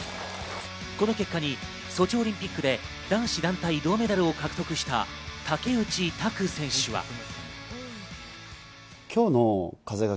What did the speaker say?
この結果にソチオリンピックで男子団体、銅メダルを獲得した竹内択選手は。